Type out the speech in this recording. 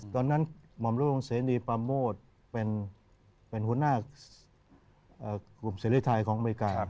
หม่อมโรงเสรีปราโมทเป็นหัวหน้ากลุ่มเสรีไทยของอเมริกา